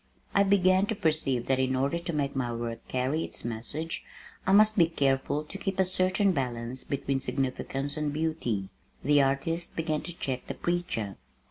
I began to perceive that in order to make my work carry its message, I must be careful to keep a certain balance between Significance and Beauty. The artist began to check the preacher.